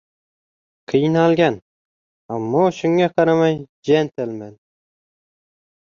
Qiynalgan, ammo shunga qaramay, jentlmen.